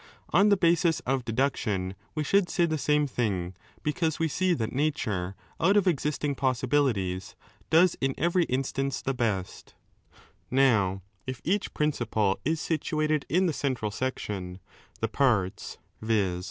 On^ the basis of deduction we should say the same thing, because we see that nature, out of existing possibilities, does in every instance the best Now, if each principle^ is situated in the central section, the parts' (viz.